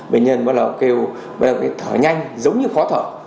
bệnh nhân bắt đầu kêu bắt đầu thở nhanh giống như khó thở